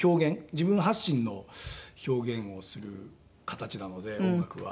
自分発信の表現をする形なので音楽は。